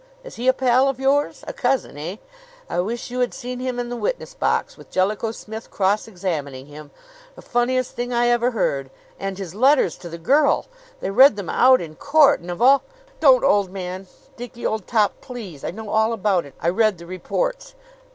"Is he a pal of yours? A cousin, eh? I wish you had seen him in the witness box, with Jellicoe Smith cross examining him! The funniest thing I ever heard! And his letters to the girl! They read them out in court; and of all " "Don't, old man! Dickie, old top please! I know all about it. I read the reports.